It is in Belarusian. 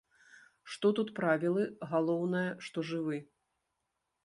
Што тут правілы, галоўнае, што жывы.